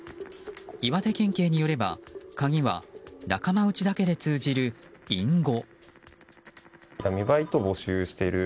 岩手県警によれば鍵は仲間内だけで通じる隠語。